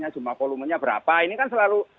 jumlah kolumennya berapa ini kan selalu muncul di situ